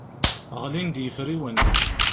Ɣlin-d yefriwen.